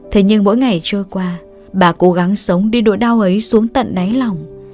thế nhưng mỗi ngày trôi qua bà cố gắng sống đi nỗi đau ấy xuống tận đáy lòng